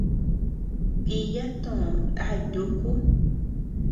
Diya tö ndáy nuúku.